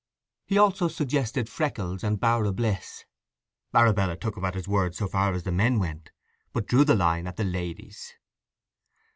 He also suggested Freckles and Bower o' Bliss. Arabella took him at his word so far as the men went, but drew the line at the ladies.